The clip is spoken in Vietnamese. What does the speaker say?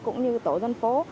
cũng như tổ dân phố